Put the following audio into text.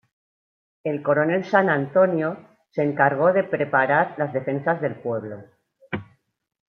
El Coronel San Antonio se encargó de preparar las defensas del pueblo.